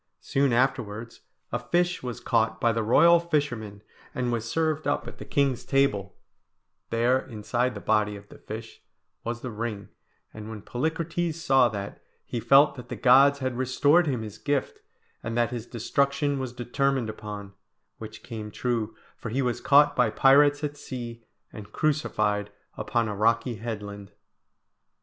Soon afterwards a fish was caught by the royal fisherman, and was served up at the king's table there, inside the body of the fish, was the ring; and when Polycrates saw that, he felt that the gods had restored him his gift, and that his destruction was determined upon; which came true, for he was caught by pirates at sea, and crucified upon a rocky headland.